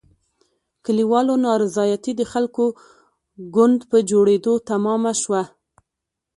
کلیوالو نارضایتي د خلکو ګوند په جوړېدو تمامه شوه.